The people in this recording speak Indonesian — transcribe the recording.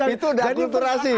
itu udah akulturasi